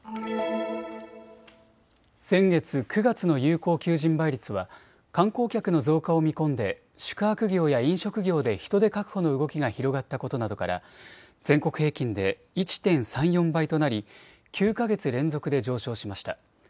先月９月の有効求人倍率は観光客の増加を見込んで宿泊業や飲食業で人手確保の動きが広がったことなどから全国平均で１．３４倍となり９か月連続で上昇しました。